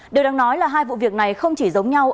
điều đáng nói là hai vụ việc này không chỉ giống nhau